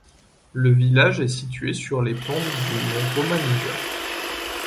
Le village est situé sur les pentes du mont Romanija.